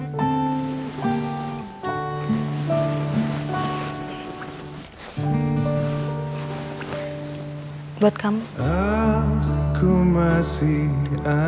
saya akan berikan juga kepada tirar hutannya